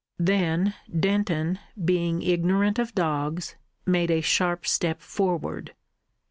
Then Denton, being ignorant of dogs, made a sharp step forward.